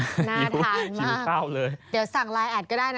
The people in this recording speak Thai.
น่าทานมากเศร้าเลยเดี๋ยวสั่งไลน์แอดก็ได้นะ